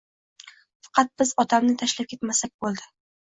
Faqat biz otamni tashlab ketmasak bo`ldi